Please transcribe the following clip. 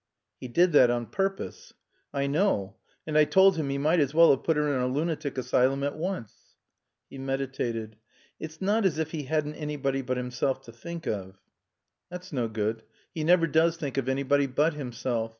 "He did that on purpose." "I know. And I told him he might as well have put her in a lunatic asylum at once." He meditated. "It's not as if he hadn't anybody but himself to think of." "That's no good. He never does think of anybody but himself.